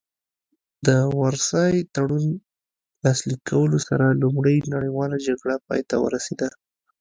د وارسای تړون لاسلیک کولو سره لومړۍ نړیواله جګړه پای ته ورسیده